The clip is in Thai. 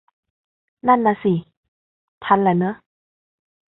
นั่นน่ะสิ ทันแหละเนอะ